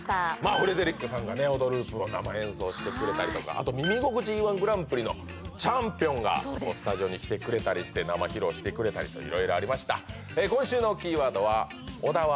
フレデリックさんが「オドループ」を生演奏してくれたりとか「耳心地いい−１グランプリ」のチャンピオンがスタジオに来てくれたりして生披露してくれたりといろいろありました。